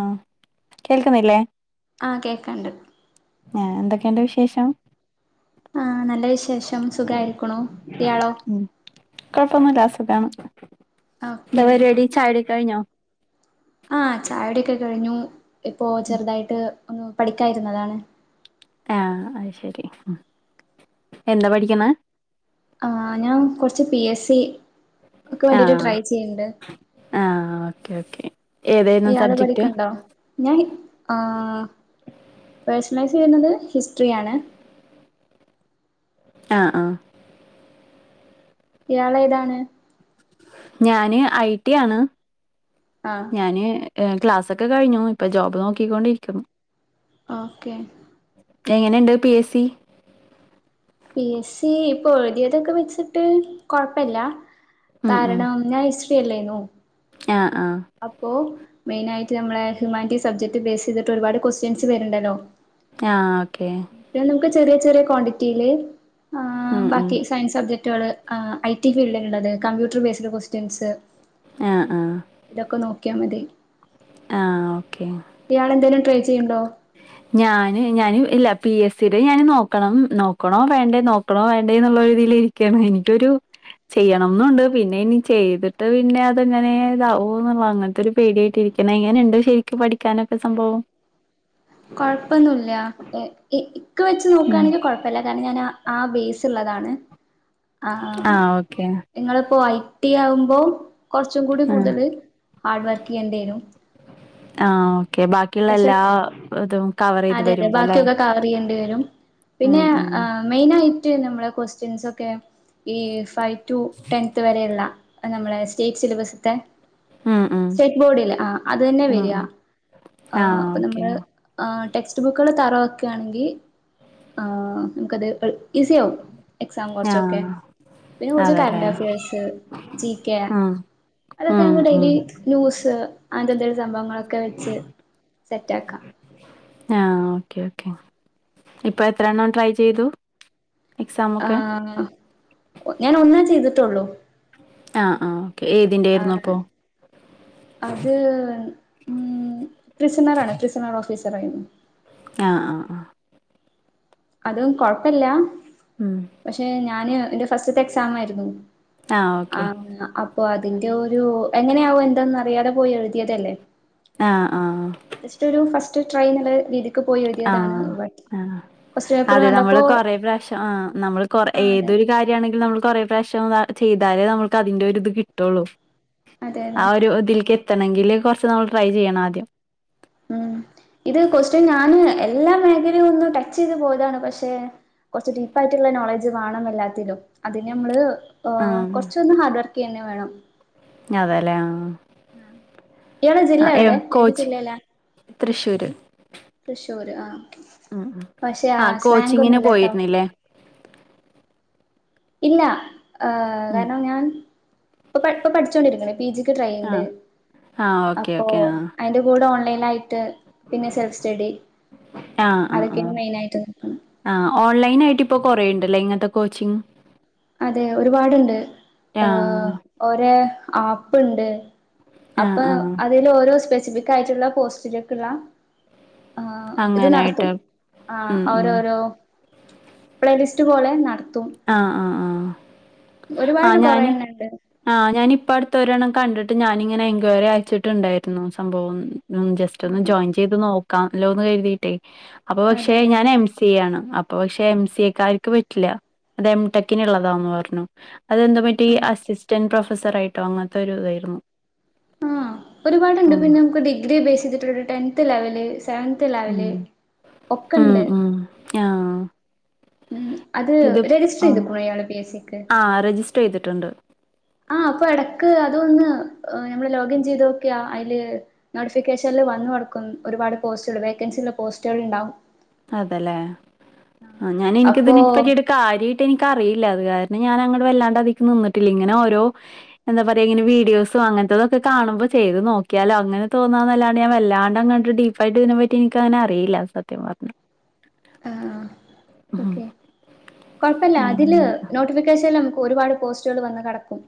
ആ കേൾക്കുന്നില്ലേ ആഹകേക്കാണ്ട്. ആ എന്തൊക്കെയണ്ട് വിശേഷം? ആ നല്ല വിശേഷം. സുഖായിരിക്കുണു, ഇയാളോ? താണ്. എന്താ ഓക്കെ പരിപാടി, ചായുടിക്കെ കഴിഞ്ഞോ? ആ ചായുടിക്കെ കഴിഞ്ഞു ഇപ്പോ ചെറുതായിട്ട് ഒന്ന് പഠിക്കായിരുന്നതാണ്. ആ അ ശരി, എന്താ പഠിക്കണേ? ആ. ഞാൻ കുറച്ച് പി എസ് സി ക്ക് വേണ്ടിട്ട് ആഹ് ട്രൈ ചെയ്ണ്ട് ആഹ് ഓക്കെ ഓക്കെ ഏതായിരുന്നു യാള് സബ്ജക്ട് പഠിക്ണ്ടോ ഞാൻ പേഴസണലൈസ് ചെയുന്നത് ഹിസ്റ്ററിയാണ് ആ ആ ഇയാളെ താണ് ഞാന് ഐ ടി ആണ് ആഹ് ഞാന് ഏ ക്ലാസൊക്കെ കഴിഞ്ഞു. ഇപ്പൊ ജോബ് നോക്കിക്കൊണ്ടിരിക്കുന്നു ഓക്കേ. എങ്ങനെണ്ട് P S C? P S C ഇപ്പൊ എഴുതിയതൊക്കെ വെച്ചിട്ട് കൊഴപ്പില്ല ഉം ഉം കാരണം ഞാൻ ഹിസ്ട്രി അല്ലായിന്നു ആഹ് ആഹ് അപ്പോൊ മെയിനാ യിട്ട് നമ്മളെ ഹ്യൂമാനിറ്റി സബ്ജക്ട് ബേസ് ചെയ്തിട്ട് ഒരുപാട് ക്വസ്റ്റ്യൻസ് വരുണ്ടല്ലോ ആ ഓക്കേ. പിന്നെ നമുക്ക് ചെറിയ ചെറിയ കോണ്ടിറ്റില് ആ ഉം ഉം ബാക്കി സയൻസ് റ്റള് ഐ ടി ഫീൽഡിലു ള്ളത്, കമ്പ്യൂട്ടർ ബേസ്ഡ് ക്വസ്റ്റ്യൻസ് ആ ആ ഇതൊക്കെ നോക്കിയാ മതി ആഹ് ഓക്കെ ഇയാളെ ന്തേലും ട്രൈ ചെയ് ഞാന് ഞാന് ഇ പി എസ് സിടെ ഞാൻ നോക്കണം, നോക്കണോ വേണ്ടേ, നോക്കണോ വേണ്ടേ, എന്നുള്ള രീതിൽ ഇരിക്കയാണ് എനിക്കൊരു ചെയ്യണംന്നുണ്ട്. പിന്നെ ഇനി ചെയ്തിട്ട് പിന്നെ അതെങ്ങനെ താവോ ന്നുള്ള അങ്ങനത്തെ ഒരു പേടിയായിട്ടിരിക്ക ഇങ്ങനെയുണ്ട് ശെരിക്കും പഠിക്കാനൊക്കെ സംഭവം കൊഴപ്പൊന്നൂല്ല. ഇക്ക് വെച്ച് നോക്കാ ഉം ണെങ്കിൽ കൊഴപ്പല്ല കാരണം ഞാൻ ആ ആ ബേസ് ള്ളതാണ്. ആ നിങ്ങളിപ്പോ ഐ കുട്ടി ആകുമ്പോ കുറച്ചും കൂടി ആ കൂടുതൽ ഹാർഡ് വർക്ക് യ്യേണ്ടി വരും. ആ ഓക്കെ ബാക്കിയുള്ള എല്ലാ പക്ഷെ ഇതും കവർ ചെയ്ത് അതെ, അതെ വരുമ്പോ അല്ലേ ബാക്കിയൊക്കെ കവർ ചെയ്യേണ്ടി വരും പിന്നെ ഉം ഉം എ മെയിൻ ആയിട്ട് ഞമ്മളെ ക്വസ്റ്റ്യൻസ് ഒക്കെ ഈ ഫൈവ് ടു ടെൻത് വരെള്ള, നമ്മളുടെ സ്റ്റേറ്റ് സിലബസ്ത്തെ ഉം ഉം സെറ്റ് ബോർഡ് ല്ലേ? ആ അത് തന്നെ ഉം വരാ ഉം ആ അപ്പൊ നമ്മള് ആ ടെക്സ്റ്റ് ബുക്കള് തറോക്കാ ണെങ്കി നമുക്കത് എളുപ്പ ഈസി ആവും എക്സാം ആ കുറച്ചൊക്കെ പിന്നെ കുറച്ച് അതെല്ലേ കറന്റ് അഫയേർസ്, ജി കെ ഉം അതൊക്കെ ഉം നമ്മക്ക്‌ ഉം ഡെയിലി ലൂസ് അങ്ങനത്തെ എന്തേലും സംഭവങ്ങളൊക്കെ വെച്ച് സെറ്റാക്കാം ആ ഓക്കെ ഓക്കെ ഇപ്പൊ എത്ര എണ്ണം ട്രൈ ചെയ്തു എക്സാം ആ ഒക്കെ ഒ ഞാൻ ഒന്നാ ചെയ്തിട്ടുള്ളൂ ആഹ് ആഹ് ഓക്കെ ഏതിന്റെ ആ ആയിരുന്നു അപ്പോ അത് ട്രിസിനർ ആണ് ട്രിസിനർ ഓഫീസർ ആയിരുന്നു ആ അ അ അത് കൊഴപ്പില്ല ഉം പക്ഷെ ഞാന് എന്റെ ഫസ്റ്റത്തെ എക്സാമായിരുന്നു ആഹ് ഓക്കെ ആമ് അപ് അപ്പൊ അതിന്റെ ഒരു എങ്ങനെയാവും എന്തന്നറിയാതെ പോയി എഴുതിയതല്ലേ ആ ആ ട്രൈന്നുള്ള രീതിക്ക് പോയി എഴുതിയതാണ് ആഹ് ബട്ട്‌ ആഹ് അതെ നമ്മള് കൊറെ പ്രാവശ്യം ആ നമ്മള് കൊറെ ആഹ് അതെ ഏത് നമ്മൾ കൊറെേ പ്രാവശ്യം വ ചെയ്താലേ നമുക്ക് അതിന്റെ ഒരു ഇത് കിട്ടുള്ളൂ അതെ ആ അതെ ഒരു ഇതില്ക്ക് എത്തണെങ്കില് കൊറച്ച് നമ്മൾ ട്രൈ ചെയ്യണാദ്യം ഉം ഇത് ക്വസ്റ്റൈൻ ഞാന് എല്ലാ മേഖലയും ഒന്ന് ടച്ച് ചെയ്ത് പോയതാണ് പഷേ കുറച്ച് ഡീപ്പായിട്ടുള്ള നോളജ് വേണം എല്ലാത്തിലും അതിന് നമ്മള് ഓ കുറച്ചൊന്ന് ഹാർഡ് വർക്ക് ചെയ്യന്നെ വേണം ആതല്ലേ ആ അ ഈടെ ജില്ല എവിടെ ഏത് കോച്ച് ജില്ലേല തൃശ്ശൂര് പുഷ് ഒരു ആ ഉം ഉം പക്ഷെ ആ ആഹ് സ്ലാഗോന്നും കോച്ചിങ്ങിന് ഇല്ലട്ടോ പോയിരുന്നില്ലേ ഇല്ല ഏ ഉം കാരണം ഞാൻ ഇപ്പ ഇപ്പൊ പഠിച്ചോണ്ടിരിക്കണ് പിജിക്ക് ട്രൈ ചെയ്യണ്ട് ആഹ് ആഹ് ഓക്കെ അപ്പൊ ഓക്കെ ആഹ് അയിന്റെ കൂടെ ഓൺലൈനായി ട്ട് പിന്നെ സെൽഫ് സ്റ്റഡി ആ ആ ആ അതൊക്കെയാണ് മെയിനായിട്ട് നിൽക്കുന്നത് ആ ഓൺലൈൻ ആയിട്ട് ഇ ഇപ്പൊ കൊറേണ്ടല്ലേ ഇങ്ങനത്തെ കോച്ചിംഗ് അതെ ഒരുപാടുണ്ട് ഏ ആഹ് ഓര ആപ്പ്ണ്ട് അപ്പ ആഹ് ആഹ് അതിൽ ഓരോ സ്പെസിഫിക് ആയിട്ടുള്ള പോസ്റ്റിലേക്കിള്ള ആ ഇത് അങ്ങനായിട്ട് നടത്തും ആ ഉം ഉം ഓരോരോ പ്ലേലിസ്റ്റ് പോലെ നട ആ ആഹ് ആഹ് ആ ഒരുപാട് കൊറേ ഞാന് എണ്ണണ്ട് ആ ഞാനിപ്പടുത്ത ഒരെണ്ണം കണ്ടിട്ട് ഞാനിങ്ങനെ എൻക്വയറി അയച്ചിട്ടുണ്ടായിരുന്നു സംഭവം ഉം ജസ്റ്റ് ഒന്ന് ആഹ് ജോയിൻ ചെയ്ത് നോ അ ലോന്ന് കരുതിയിട്ടേ അപ്പൊ പക്ഷെ അതെ അതെ ഞാൻ എം സി എ ആണ് അപ്പൊ പക്ഷെ എം സി എക്കാര്ക്ക് പറ്റില്ല അത് എംടെക്കിനുള്ളതാന്ന് പറഞ്ഞു ഹ് അതെന്ത്‌ പറ്റി അസിസ്റ്റന്റ് പ്രൊഫസർ ആയിട്ടോ അങ്ങനത്തൊരു ഇതായിരുന്നു ആ ഒരുപാടുണ്ട് ഉം പിന്നെ നമുക്ക് ഡിഗ്രി ബേസ് ചെയ്തിട്ടൊരു ടെൻത് ലെവല് സെവൻത് ഉം ലെവല് ഉം ഉം ആഹ് അത് ഇത് രജിസ്റ്റർ ചെയ്ത് ആഹ് കുറെയാള് പി എ സിക്ക് ആഹ് രജിസ്റ്റർ ചെയ്തിട്ടുണ്ട് ആഹ അപ്പൊ ഇടക്ക് അതൊന്ന് എ നമ്മള് ലോഗിൻ ചെയ്ത് നോക്കിയാ അയില് നോട്ടിഫിക്കേഷനില് വന്നവർക്കും ഒരുപാട് പോസ്റ്റുകൾ വേക്കൻസി ഉള്ള പോസ്റ്റുകൾ ഇണ്ടാവും അതല്ലേ അ ഞാൻ അപ്പോ എനിക്കിതിനെ പറ്റിയിട്ട് കാര്യായിട്ട് എനിക്കറിയി ഇല്ല അത് കാരണം ഞാനങ്ങട് വല്ലാണ്ട് അതീക്ക് നിന്നിട്ടില്ല ഇങ്ങന ഓരോ എന്താ പറയാ ഇങ്ങനെ വീഡിയോസും അങ്ങനത്തതൊക്കെ കാണുമ്പോ ചെയ്ത് നോക്കിയാലോ അങ്ങനെ തോന്നന്നല്ലാണ്ട് ഞാൻ വല്ലാണ്ട് അങ്ങട്ട് ഡീപ്പായിട്ട് ഇതിനെ പറ്റി എനിക്കങ്ങന അറിയില്ല [unintelligible] ആ [unintelligible] ഉം ഓക്കെ കുഴപ്പല്ല അതില് അങ്ങനെ നോട്ടിഫിക്കേഷൻല ഒരുപാട് പോസ്റ്റുകൾ വന്ന് കടക്കും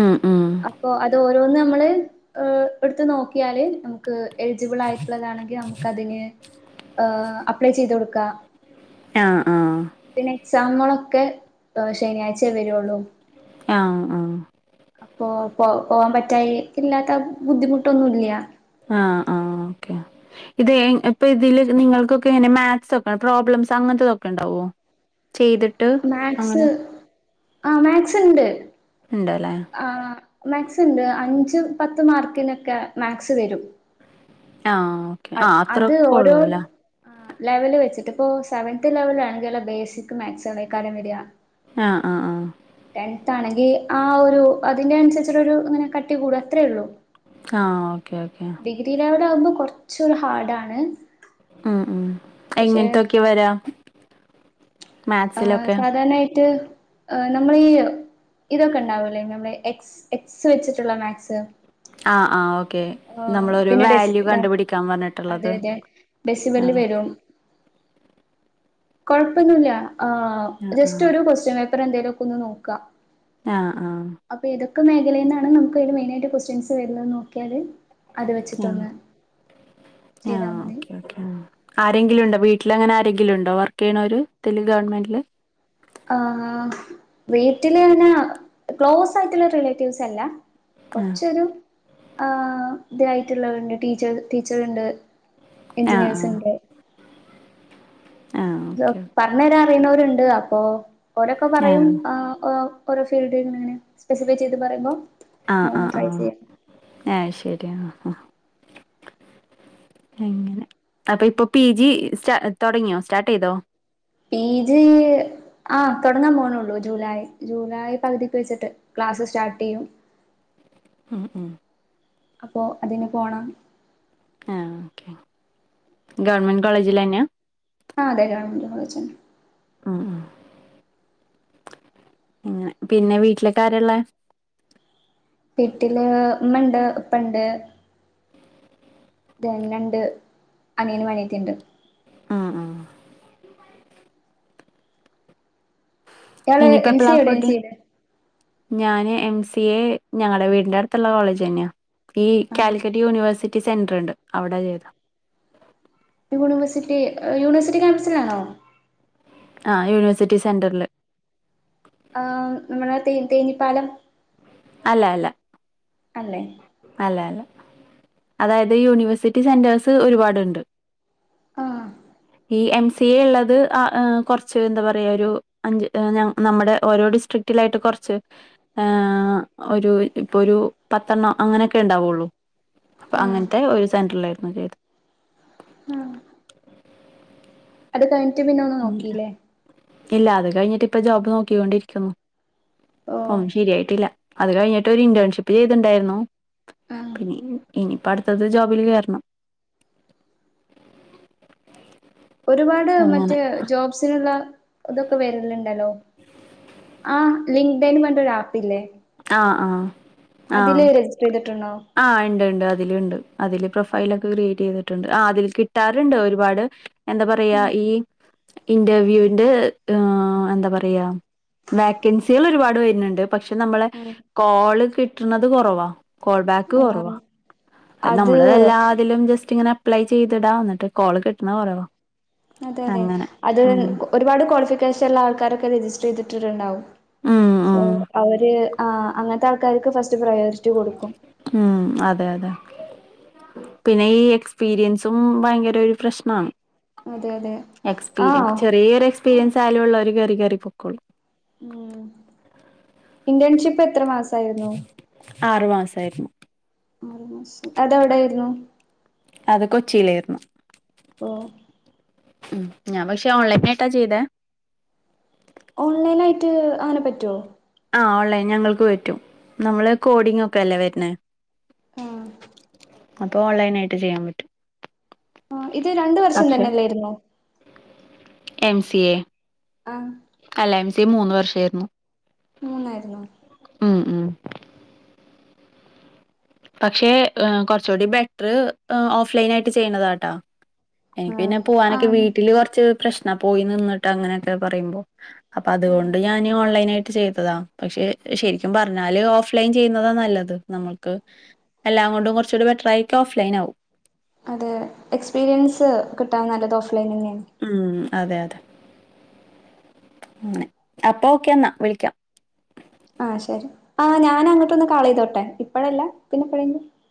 ഉം ഉം അപ്പൊ അതോരോന്ന് നമ്മള് ഏ എടുത്ത് നോക്കിയാല് നമുക്ക് എലിജിബിൾ ആയിട്ടുള്ളതാണെങ്കിൽ നമുക്കതിന് ഏ അപ്ലൈ ചെയ്ത് കൊടുക്ക ആ ആ നമ്മളൊക്കെ ഏ ശനിയാഴ്ചയെ വരുഉള്ളൂ ആഹ ആ അ പോ പോകാൻ പറ്റാായി ഇല്ലാത്ത ബുദ്ധിമുട്ടൊന്നുമല്ല ആഹ ആഹ ഓക്കെ ഇത് ഇപ്പൊ ഇതില് നിങ്ങൾക്കൊക്കെ എങ്ങനെ മാത്സ് ഒക്കെ പ്രോബ്ലംസ് അങ്ങനത്തെതൊക്കെ ഉണ്ടാവോ ചെയ്തിട്ട് മാത്‍സ് അങ്ങനെ ആ മാത്‍സ്ണ്ട് ഉണ്ടല്ലേ ആ മാക്സ് ഉണ്ട് അഞ്ച് പത്ത് മാർക്കിനൊക്കെ മാത്‍സ് വരും ആ ഓക്കെ അ ആ അത് അത്രയൊക്കെ ഓരോ ഉള്ളൂ അല്ലേ ലെവല് വെച്ചിട്ട് ഇപ്പോൊ സെവന്ത് ലെവല ആണെങ്കിൽ അല്ല ബേസിക് മാതസ്‌ [unintelligible] കാര്യം വരിക ആ ആ ആ ടെന്ത് ആണെങ്കി [unintelligible] ആ ഒരു അതിന്റെ അനുസരിച്ചുള്ള ഒരു ഇങ്ങനെ കട്ടി കൂട അത്രേ ഉള്ളൂ ആഹ ഓക്കെ ഓക്കെ ഇച്ച ഹാർഡ്ാണ് ഉം ഉ എങ്ങനത്തൊക്കെ വരാം ആ സാധാരണായിട്ട് എ നമ്മൾീ ഇതൊക്കെ ഉണ്ടാവല്ലേ നമ്മള എക് എക്സ് വെച്ചിട്ടുള്ള മാത്‍സ് ആ ആ് ഓക്കെ നമ്മളൊരു പിന്നെ ഡെസി വാല്യൂ കണ്ടുപിടിക്കാൻ പറഞ്ഞിട്ടുള്ളത് ബസി ആ വള്ളി വരും കൊഴപ്പൊന്നല്ല ആ ആ ആ ജസ്റ്റ് ഒരു കൊസ് [unintelligible] അപ്പം എന്തേലും ഒക്കെ ഒന്ന് നോക്കാം ആഹ് ആഹ നു മേഖലൽന്നാണ് നമു അതിൽ മെയിനായി കുഎസ്റ്റോയിൻ വരുന്നതെന്ന് നോക്കിയാൽ ആ ആ ചെയ്താൽ മതി ഓ [unintelligible] ആരെങ്കിലും ഉണ്ടോ വീ വീട്ടിൽ അങ്ങനെ ആരെങ്കിലും ഉണ്ടോ വർക്ക് ചെയ്യണവര് [unintelligible] ഒരുെ ഗവമെന്ില് ആ വീട്ടില്ന്നെ ക്ലോസ് ആയിട്ടുള്ള റിലേറ്റീവ്സ് അല്ല ആ കുറച്ചൊരു ആ ഇതായിട്ടുള്ളവരുണ്ട് ടീച്ചർ ടീച്ചർ ഉണ്ട് ആ ആ എൻചിനീയർസിന്റെ ആ ഓക്കെ [unintelligible] പറഞ്ഞവരാ അറിയുന്നവരുണ്ട് അപ്പൊ രൊക്കെ പറയും ആ ഓ ഓരോ ഫീൽഡങ്ങെ സ്പെസിഫൈ ചെയ്ത് പറയുമ്പോ ആ ന ആ ഒന്ന് ആ ട്രൈ ചെയ്യാം ആ [unintelligible] അപ്പൊ ഇപ്പൊ പി ജി തുടങ്ങിയോ സ്റ്റാർട്ട് ചെയ്തോ പിജി ആ തുടങ്ങാൻ പോകണള്ളൂ ജൂലൈ ജൂലൈ പകുതിക്ക് വെച്ചിട്ട് ക്ലാസ്സ് സ്റ്റാർട്ട് ചെയ്യും ഉം ഉം അപ്പൊ അതിന് പോണം ആ ഒക്കെ ഗവൺമെന്റ് കോളേജിൽ തന്നെയ ആ അതെ ഗവൺമെൻറ് കോളേജ് തന്നെയാണ് അം ങ്ങ പിന്നെ വീട്ടിലൊക്കെ ആരള്ള വീട്ടില് ഉമ്മണ്ട് ഉപ്പ ഇണ്ട് തന്നണ്ട് അനിയൻ അനിയത്തിയുണ്ട് ആ ആ ഇയാള് ഇനിപ്പ എം എ സി എവിടെയാ പ്ലാഫോട്ട് ചെയ്തേ ഞാന് എം സി എ ഞങ്ങളുടെ വീടിന്റെ അടുത്തുള്ള കോളേജ് തന്നെയാ ഈ ആഹ് കാലിക്കറ്റ് യൂണിവേഴ്സിറ്റി സെന്റർുണ്ട് അവിടെ ചെയ്താ യൂണിവേഴ്സിറ്റി യൂണിവേഴ്സിറ്റി ക്യാമ്പസിലാണോ ആ യൂണിവേഴ്സിറ്റി സെന്ററില് ആ നമ്മുടെ തേ തേനിപ്പാലം അല്ല അല്ല അല്ല അല്ല അതായത് യൂണിവേഴ്സിറ്റി സെന്റേഴ്സ് ഒരുപാടുണ്ട് ആ ഈ എം സി എ ഉള്ളത് കൊറച്ച് ന്താ പറയാ ഒരു അഞ്ച് നമ്മടെ ഓരോ ട്‌ ചോ സ്ട്രിക്റ്റിലായിട്ട് കൊറച്ച് ഒരു ഇപ്പൊ ഒരു പത്തെണ്ണം അങ്ങനെയൊക്കെ ണ്ടാവുള്ളു അപ്പെ ആഹ് അങ്ങനത്തെ ഒരു സെന്ററിലായിട്ട്. ചെയ്തത് ആ അത് കഴിഞ്ഞിട്ട് പിന്നെ ഒന്ന് ഉം. നോക്കില്ലേ ഇല്ല അത് കഴിഞ്ഞിട്ട് ഇപ്പ ജോബ് നോക്കികൊണ്ടിരിക്കുന്നു ഓ ശരിയായിട്ടില്ല അത് കഴിഞ്ഞിട്ട് ഒരു ഇന്റേൺഷിപ്പ് ചെയ്തിണ്ടായിരുന്നു ആഹ് പിന്ന ഇനിയിപ്പം അടുത്തത് ജോബില് കയറണം [inaudible] ഒരുപാട് മറ്റേ ജോബ്സിനുള്ള തൊക്കെ വരൽണ്ണ്ടോ ഹലോ ആ ലിങ്ക്ഡൈൻ പറഞ്ട്ടൊരു ആപ്പ് ഇല്ലേ ആഹ് ആഹ് അതിൽ രജിസ്റ്റർ ചെയ്തിട്ട് ണോ ആ ഇണ്ട് ഇണ്ട് അതിലിണ്ട് അതില് പ്രൊഫൈ ലൊക്കെ ക്രിയേറ്റേ യ്തിട്ടുണ്ട് ആ അതി കിട്ടാർണ്ട് ഒരുപാട് എന്താ പറയാ ഈ ഇന്റർവ്യൂന്റെ ന്ത പറയാ വാക്കൻസിയാൾ ഒരുപാട് വരുൻണ്ട് പക്ഷെ നമ്മൾ ആഹ് കോള് കിട്ടുണത് കൊറവാ ത്തു കൊറവ ആഹ് അത് നമ്മള് എല്ലാതിലും ജസ് റ്റിങ്ങനെ അപ്ലൈ ചെയ്തടാം ന്ന്ട്ട് കോള് കിട്ടണ് കോളോ അതെ അതെ അത് ഒരുപാട് ക്വാളിഫിക്കേഷൻള്ള ആൾക്കാരൊക്കെ രജിസ്റ്റർ ചെയ്തിട്ടിട്ടുണ്ടാവും ഉം സോ ഉം അവര് ആ അങ്ങനത്തെ ക്കാർക്ക് ഫസ്റ്റ് പ്രയോറിറ്റി കൊടുക്കും ഉം അതെ അതെ പിന്നെ ഈ എക്സ്പീരിയൻസും ഭയങ്കൊരു പ്രശ്നാണ് അതെ അതെ ആഹ് എക്സ്പീരിയൻസ് ചെറിയൊരു എക്സ്പീരിയൻസായാലുള്ളോര്ക്ക് കേറി കേറി പൊക്കോളും ഇന്റേൺഷിപ്പ് എത്ര മാസ ആറു മാസായിര്ന്നു ആറു മാസം അതെവിടേയിര്ന്നു അത് കൊച്ചിയിലാര്ന്നു ഓ ഞാൻ പക്ഷെ ഓൺലൈലായിട്ടാ ചെയ്തെ ഓൺലൈൻ ആയിട്ട് അങ്ങനെ പറ്റോ ആ ഓൺലൈൻ ഞങ്ങൾക്ക് പറ്റും നമ്മള് കോഡിംഗക്കെല്ലേ വര്ണേ ആ അപ്പൊ ഓൺലൈനായിട്ട് ചെയ്യാൻ പറ്റും ആ ഇത് രണ്ട് വർഷം പക്ഷെ തന്നെല്ലായിന്നോ എം സി എ ആഹ് അല്ല എം സി മൂന്ന് വർഷേയിരുന്നു മൂന്നായിരുന്നോ മ് മ് പക്ഷെ കൊറചൂടി ബെറ്റർ ഓഫ്ലൈനായിട്ട് ചെയ്ണതാട്ടോ എനിക്ക് പിന്നെ ആഹ് പോവാനൊക്കെ ആഹ് വീട്ടില് കൊറച്ച് പ്രശ്നാ പോയി നിന്നിട്ട് അങ്ങനെയൊക്കെ പറയുമ്പോ അപ്പൊ ആഹ് അതുകൊണ്ട് ഞാന് ഓൺലൈനായ്ട്ട് ട്ട് ചെയ്തതാ പക്ഷെ ശെരിക്കും പറഞ്ഞാല് ഓഫ്ലൈൻ ചെയ്യുന്നതാ നല്ലത് നമ്മക്ക് എല്ലാം കൊണ്ടും കൊറച്ചൂടെ ബെറ്റർ ആയിരിക്കെ ഓഫ്ലൈൻ ആവും അതെ എക്സ്പീരിയൻസ് കിട്ടാൻ നല്ലത് ഓഫ്ലൈനന്നെയാണ് ഉം അതെ അതെെ അപ്പൊ ഒക്കെന്നാ വിളിക്കാം ആഹ ശെരി ആ ഞാനൊന്ന് അങ്ങോട്ടൊന്ന് കാൾ ചെയ്തോട്ടെ ഇപ്പഴല്ല പിന്നെപ്പോഴെങ്കിലും